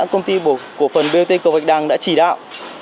công ty cổ phần bot cầu vạch đằng đã chỉ đạo